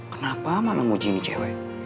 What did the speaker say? kenapa malah mau gini cewek